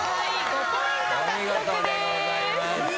５ポイント獲得です。